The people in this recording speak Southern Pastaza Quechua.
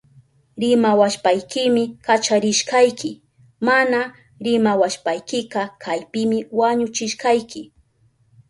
Rimawashpaykimi kacharishkayki. Mana rimawashpaykika kaypimi wañuchishkayki.